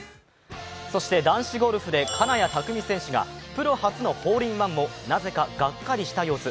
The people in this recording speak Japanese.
男子ゴルフで金谷拓実選手がプロ初のホールインワンもなぜかがっかりした様子。